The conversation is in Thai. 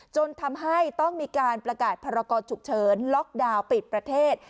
จนทำให้ต้องมีการประกาศพรกรฉุกเฉินล็อกดาวน์ปิดประเทศ